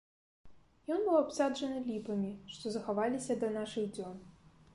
Ён быў абсаджаны ліпамі, што захаваліся да нашых дзён.